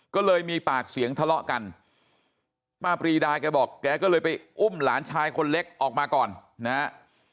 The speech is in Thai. ก็เลยมีปากเสียงทะเลาะกันป้าปรีดาแกบอกแกก็เลยไปอุ้มหลานชายคนเล็กออกมาก่อนนะฮะ